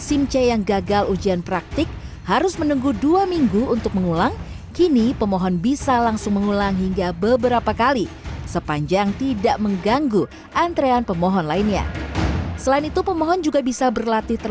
dan hari ini karena ini percobaan pertama saya untuk kebijakan barunya bisa mengulang selama tidak ada antrian saya akan coba mengulang lagi ya